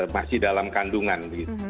masih dalam kandungan